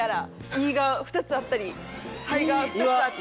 胃が２つあったり肺が２つあったり。